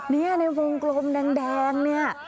นี่ในวงกลมแดงเนี่ย